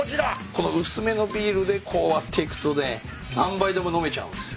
この薄めのビールで割っていくとね何杯でも飲めちゃうんですよ。